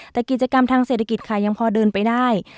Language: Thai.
แต่กิจกรรมทางเศรษฐกิจค่ะยังพอเดินไปได้